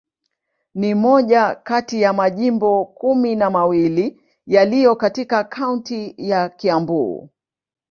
Ni moja kati ya majimbo kumi na mawili yaliyo katika kaunti ya Kiambu.